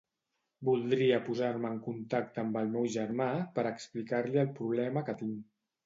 Voldria posar-me en contacte amb el meu germà per explicar-li el problema que tinc.